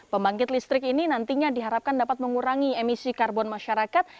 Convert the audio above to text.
pembangkit listrik ini nantinya diharapkan dapat mengurangi emisi karbon masyarakat